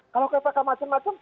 kalau kpk macam macam